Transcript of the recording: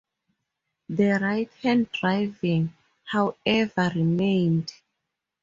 The right hand driving, however, remained.